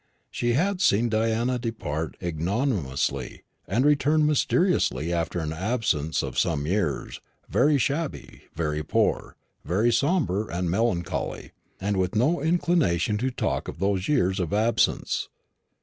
She had seen Diana depart ignominiously, and return mysteriously after an absence of some years, very shabby, very poor, very sombre and melancholy, and with no inclination to talk of those years of absence.